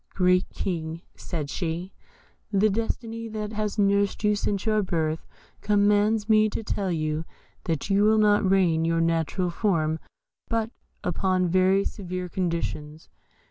"Great King," said she, "the destiny that has nursed you since your birth commands me to tell you that you will not regain your natural form but upon very severe conditions.